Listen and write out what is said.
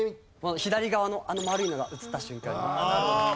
左側のあの丸いのが映った瞬間に。